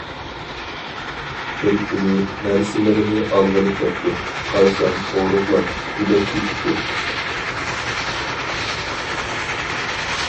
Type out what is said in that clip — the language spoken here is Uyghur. بىر كۈنى، نەرسىلىرىنى ئالغىلى كەپتۇ، قارىسام ئورۇقلاپ، جۈدەپ كېتىپتۇ.